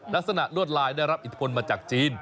ลักษณะลวดลายได้รับอิทธิพลมาจากจีน